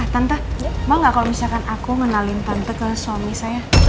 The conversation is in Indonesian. tante ini mau gak kalau misalkan aku ngenalin tante ke suami saya